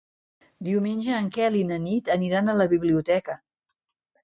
Diumenge en Quel i na Nit aniran a la biblioteca.